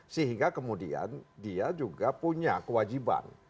sehingga kemudian dia juga punya kewajiban